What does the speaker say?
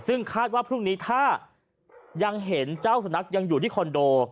ซึ่งคาดว่าพรุ่งนี้ถ้ายังเห็นเจ้าสุนัขยังอยู่ที่คอนโด